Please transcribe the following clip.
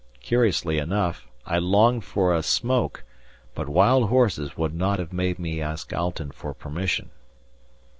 Curiously enough, I longed for a smoke, but wild horses would not have made me ask Alten for permission.